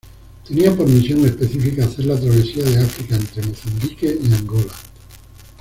Tenía por misión específica hacer la travesía de África, entre Mozambique y Angola.